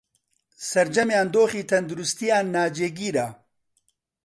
سەرجەمیان دۆخی تەندروستییان ناجێگرە